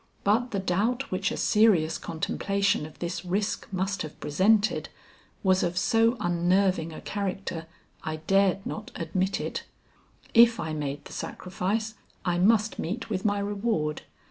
But the doubt which a serious contemplation of this risk must have presented, was of so unnerving a character, I dared not admit it. If I made the sacrifice, I must meet with my reward.